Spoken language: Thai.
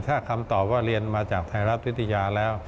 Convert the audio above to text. ถ้าคำตอบว่าเรียนมาจากไทยรัฐวิทยาแล้ว